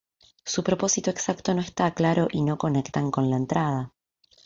Su propósito exacto no está claro y no conectan con la entrada.